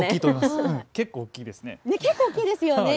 結構大きいですよね。